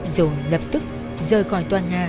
rồi lập tức rời khỏi tòa nhà